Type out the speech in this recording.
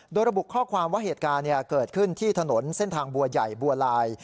โดยระบุข้อความว่าเหตุการณ์เกิดขึ้นที่ถนนเส้นทางบัวใหญ่บัวลาย